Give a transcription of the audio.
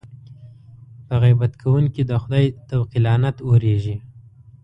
په غیبت کوونکي د خدای طوق لعنت اورېږي.